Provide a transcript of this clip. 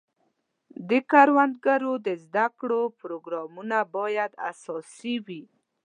د کروندګرو د زده کړو پروګرامونه باید اساسي وي.